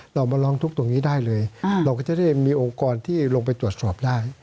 เรามาร้องทุกข์ตรงนี้ได้เลยเราก็จะได้มีองค์กรที่ลงไปตรวจสอบได้